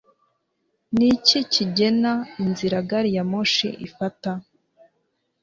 niki kigena inzira gari ya moshi ifata